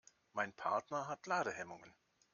Mein Partner hat Ladehemmungen.